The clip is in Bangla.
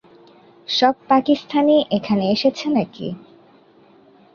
সব পাকিস্তানী এখানে এসেছে নাকি?